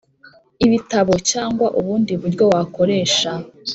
ibitabo cyangwa ubundi buryo wakoresha.